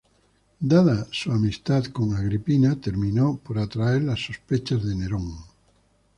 Dada su amistad con Agripina, terminó por atraer las sospechas de Nerón.